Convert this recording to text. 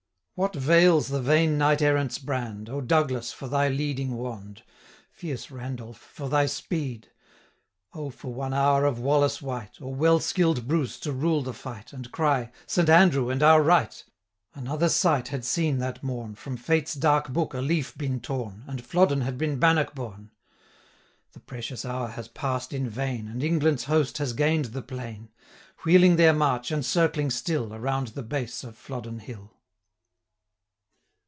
What 'vails the vain knight errant's brand? O, Douglas, for thy leading wand! Fierce Randolph, for thy speed! 610 O for one hour of Wallace wight, Or well skill'd Bruce, to rule the fight, And cry 'Saint Andrew and our right!' Another sight had seen that morn, From Fate's dark book a leaf been torn, 615 And Flodden had been Bannockbourne! The precious hour has pass'd in vain, And England's host has gain'd the plain; Wheeling their march, and circling still, Around the base of Flodden hill.